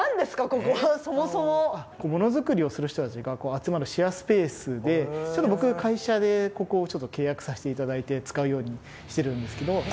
ここはそもそもものづくりをする人達が集まるシェアスペースで僕会社でここをちょっと契約させていただいて使うようにしてるんですけど